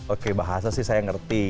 oke bahasa sih saya ngerti